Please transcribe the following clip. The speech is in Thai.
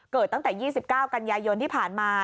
ตั้งแต่๒๙กันยายนที่ผ่านมา